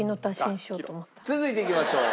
続いていきましょう。